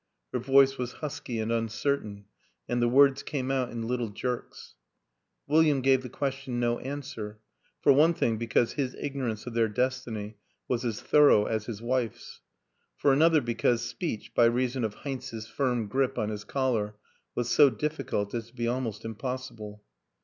Her voice was husky and uncertain, and the words came out in little jerks. William gave the question no answer: for one thing because his ignorance of their destiny was as thorough as his wife's; for another because speech, by reason of Heinz's firm grip on his collar, was so difficult as to be almost impossible.